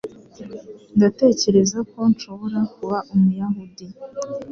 Ndatekereza ko nshobora kuba Umuyahudi.